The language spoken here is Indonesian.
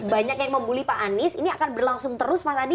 banyak yang membuli pak anies ini akan berlangsung terus mas adi